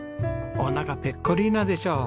おなかぺっこりーなでしょう？